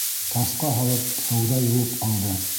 Тасҡа һалып һыуҙа йыуып алды.